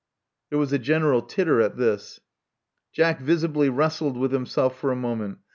There was a general titter at this. Jack visibly wrestled with himself for a moment.